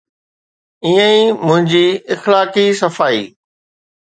ائين ئي منهنجي اخلاقي صفائي.